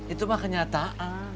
itu mah kenyataan